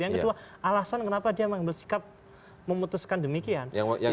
yang kedua alasan kenapa dia mengambil sikap memutuskan demikian